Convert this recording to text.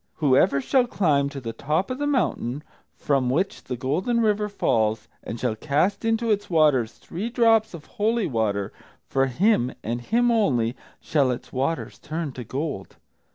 Whoever shall climb to the top of the mountain from which the Golden River falls, and shall cast into its waters three drops of holy water, for him and him only shall its waters turn to gold.